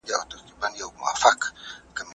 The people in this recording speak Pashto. هر کار د الله په نامه پیل کړئ.